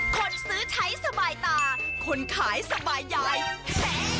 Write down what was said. คนซื้อใช้สบายตาคนขายสบายยาย